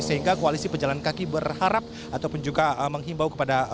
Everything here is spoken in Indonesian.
sehingga koalisi pejalan kaki berharap ataupun juga menghimbau kepada